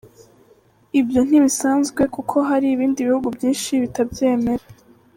Ibyo ntibisanzwe kuko hari ibindi bihugu byinshi bitabyemera.